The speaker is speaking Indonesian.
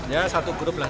ya satu grup lah